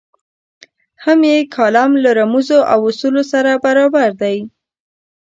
هم یې کالم له رموزو او اصولو سره برابر دی.